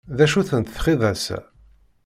D acu-tent txidas-a?